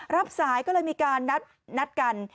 รับสายก็เลยมีการนัดกัน